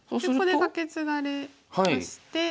ここでカケツガれまして。